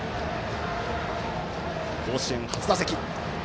甲子園初打席。